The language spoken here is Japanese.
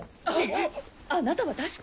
あなたは確か。